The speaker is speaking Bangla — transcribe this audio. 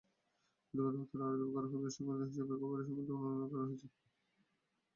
প্রতিবাদপত্রে আরও দাবি করা হয়, ব্যয়সংক্রান্ত হিসাবও একইভাবে সভায় অনুমোদন করা হয়েছে।